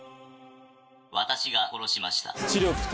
私が殺しました。